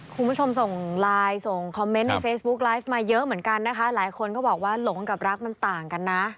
คุณผู้ชมส่งไลน์ส่งคอมเมนต์ในเฟซบุ๊กไลฟ์มาเยอะเหมือนกันนะคะหลายคนก็บอกว่าหลงกับรักมันต่างกันนะ